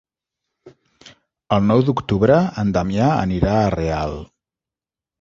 El nou d'octubre en Damià anirà a Real.